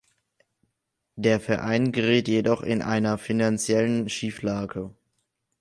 Der Verein geriet jedoch in einer finanziellen Schieflage.